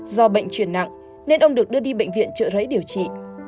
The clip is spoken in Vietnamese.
do bệnh truyền nặng nên ông được đưa đi bệnh viện trợ rẫy điều trị